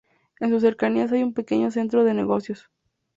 En sus cercanías hay un pequeño centro de negocios.